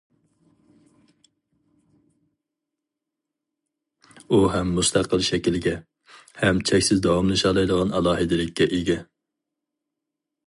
ئۇ ھەم مۇستەقىل شەكىلگە، ھەم چەكسىز داۋاملىشالايدىغان ئالاھىدىلىككە ئىگە.